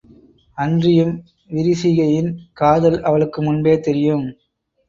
அன்றியும் விரிசிகையின் காதல் அவளுக்கு முன்பே தெரியும்.